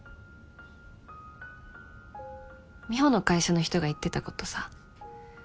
美帆の会社の人が言ってたことさ